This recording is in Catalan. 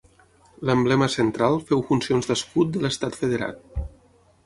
L'emblema central féu funcions d'escut de l'estat federat.